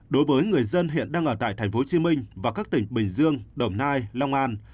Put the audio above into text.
đối với người dân hiện đang ở tại thành phố hồ chí minh và các tỉnh bình dương đồng nai long an